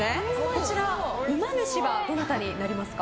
こちらうま主はどなたになりますか。